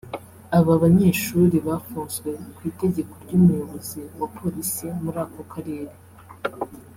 Aba banyeshuri bafunzwe ku itegeko ry’Umuyobozi wa Polisi muri ako karere